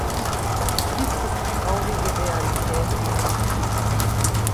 Dies ist die traurige Realität im Irak.